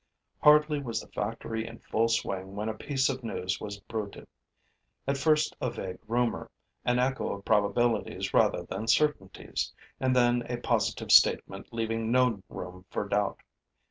Hardly was the factory in full swing when a piece of news was bruited, at first a vague rumor, an echo of probabilities rather than certainties, and then a positive statement leaving no room for doubt.